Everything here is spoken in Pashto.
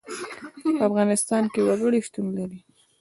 په افغانستان کې وګړي شتون لري.